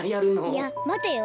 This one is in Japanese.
いやまてよ。